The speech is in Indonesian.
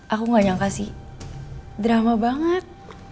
aku gak nyangka sih drama banget